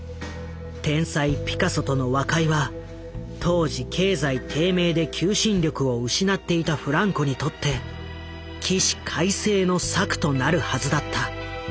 天才ピカソとの和解は当時経済低迷で求心力を失っていたフランコにとって起死回生の策となるはずだった。